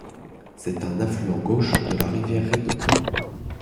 C'est un affluent gauche de la rivière Rideau.